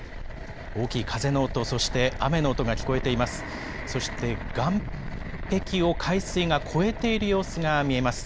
大きい風の音、そして雨の音が聞こえています。